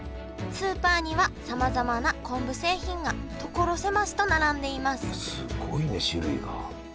スーパーにはさまざまな昆布製品が所狭しと並んでいますすごいね種類が。